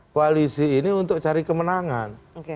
koalisi ini untuk cari kemenangan